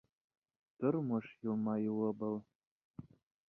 Тормош йылмайыуы был!..